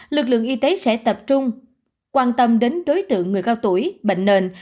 lực lượng y tế sẽ tập trung quan tâm đến đối tượng người cao tuổi bệnh nền